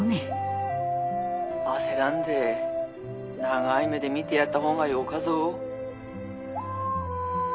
☎焦らんで長い目で見てやった方がよかぞ。